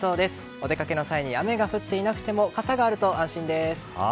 お出かけの際に雨が降っていなくても傘があると安心です。